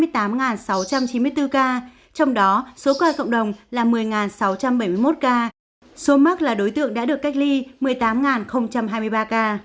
trong đó số ca cộng đồng là một mươi sáu trăm bảy mươi một ca số mắc là đối tượng đã được cách ly một mươi tám hai mươi ba ca